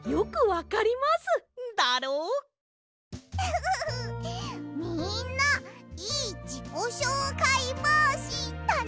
フフフッみんないいじこしょうかいぼうしだね！